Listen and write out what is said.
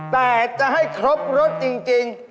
แต่จะให้ครบรสจริง